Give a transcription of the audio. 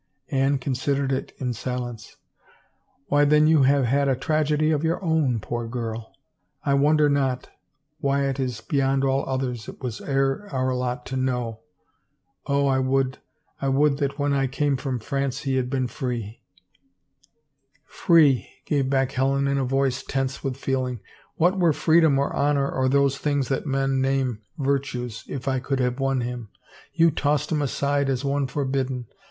Anne considered it in silence. " Why then you have had a tragedy of your own, poor girl ... I wonder not — Wyatt is beyond all others it was e'er our lot to know — Oh, I would, I would that when I came from France he had been free —" 378 THE NUMBERED HOURS " Free," gave back Helen in a voice tense with feeling. " What were freedom or honor or those things that men name virtues if I could have won him 1 You tossed him aside, as one forbidden.